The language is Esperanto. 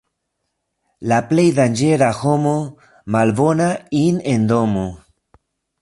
La plej danĝera homo — malbona in' en domo.